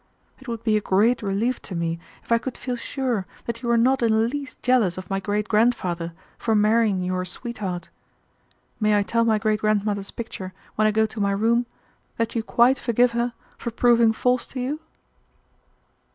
It would be a great relief to me if I could feel sure that you were not in the least jealous of my great grandfather for marrying your sweetheart. May I tell my great grandmother's picture when I go to my room that you quite forgive her for proving false to you?"